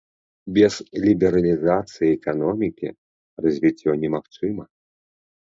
Без лібералізацыі эканомікі развіццё немагчыма.